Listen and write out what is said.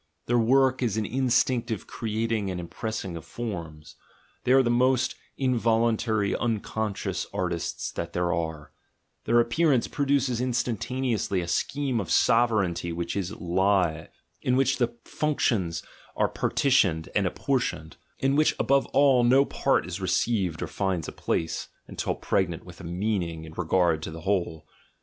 Their work is an instinctive creating and impressing of forms, they are the most involuntary, unconscious artists that there are: — their appearance produces instantaneously a scheme of sovereignty which is live, in which the functious are par titioned and apportioned, in which above all no part is re ceived or finds a place, until pregnant with a "meaning" in regard to the whole.